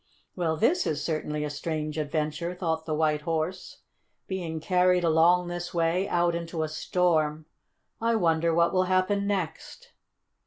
"Well, this is certainly a strange adventure," thought the White Horse; "being carried along this way, out into a storm. I wonder what will happen next?"